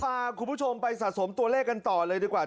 พาคุณผู้ชมไปสะสมตัวเลขกันต่อเลยดีกว่า